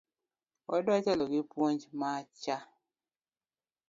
Odua chalo gi puonj macho